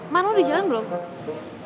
man lu udah jalan belum